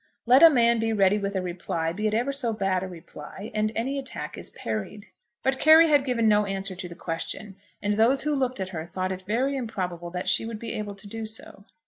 Let a man be ready with a reply, be it ever so bad a reply, and any attack is parried. But Carry had given no answer to the question, and those who looked at her thought it very improbable that she would be able to do so.